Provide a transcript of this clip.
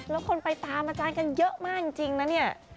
แล้วคนไปตามอาจารย์กันเยอะมากจริงนะเนี่ย